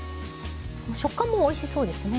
食感もおいしそうですね。